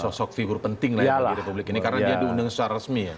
sosok figur penting lah ya di republik ini karena dia diundang secara resmi ya